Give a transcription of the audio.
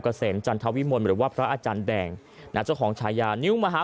เกษมจันทวิมลหรือว่าพระอาจารย์แดงนะเจ้าของชายานิ้วมหา